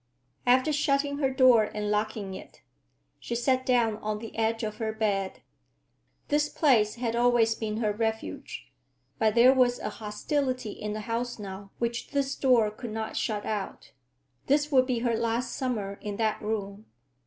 After shutting her door and locking it, she sat down on the edge of her bed. This place had always been her refuge, but there was a hostility in the house now which this door could not shut out. This would be her last summer in that room.